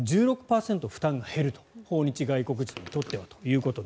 １６％負担が減ると訪日外国人にとっては。